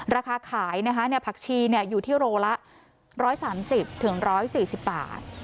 ราคาขายผักชีอยู่ที่โลละ๑๓๐๑๔๐บาท